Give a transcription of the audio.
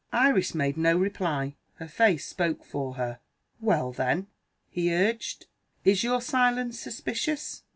Iris made no reply; her face spoke for her. "Well, then," he urged, "is your silence suspicious?